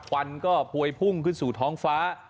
วันก็พวยพุ่งขึ้นสู่ท้องฟ้า